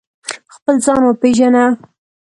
خپل ځان و پېژنه